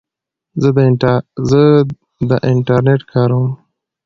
زه د انټرنیټ کاروم.